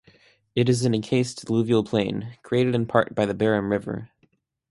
It is an encased alluvial plain, created in part by the Baram River.